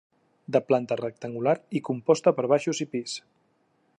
De planta rectangular i composta per baixos i pis.